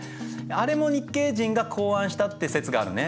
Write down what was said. あれも日系人が考案したって説があるね。